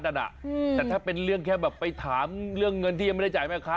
แต่ถ้าเป็นเรื่องแค่แบบไปถามเรื่องเงินที่ยังไม่ได้จ่ายแม่ค้า